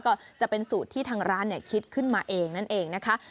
ก็จะเป็นสูตรที่ทางร้านคิดขึ้นมาเองนั่นเองนะคะ